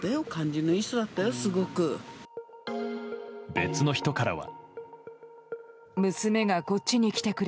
別の人からは。